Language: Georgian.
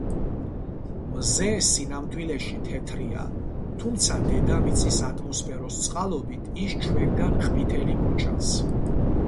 მზე სინამდვილეში თეთრია, თუმცა დედამიწის ატმოსფეროს წყალობით, ის ჩვენგან ყვითელი მოჩანს.